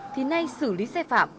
thì nay xử lý xe phạm